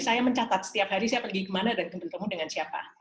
saya mencatat setiap hari saya pergi kemana dan bertemu ketemu dengan siapa